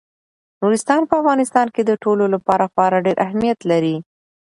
نورستان په افغانستان کې د ټولو لپاره خورا ډېر اهمیت لري.